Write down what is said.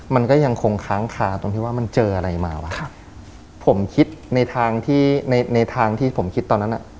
มันก็ยังคงค้างคาตรงที่ว่ามันเจออะไรมาว่ะครับผมคิดในทางที่ในในทางที่ผมคิดตอนนั้นอ่ะ